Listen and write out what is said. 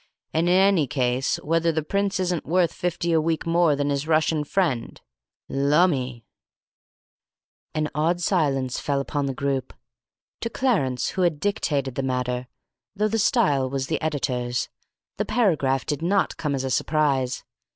And, In any case, whether the Prince isn't worth fifty a week more than his Russian friend?' Lumme!" An awed silence fell upon the group. To Clarence, who had dictated the matter (though the style was the editor's), the paragraph did not come as a surprise.